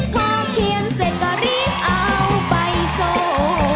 พอเขียนเสร็จก็รีบเอาไปสู้